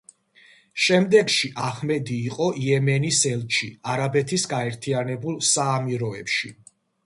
შემდეგში აჰმედი იყო იემენის ელჩი არაბეთის გაერთიანებულ საამიროებში.